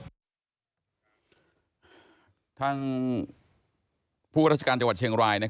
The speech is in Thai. ทางผู้ราชการจังหวัดเชียงราย